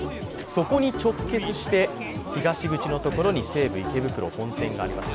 そこに直結して東口のところに西武池袋本店があります。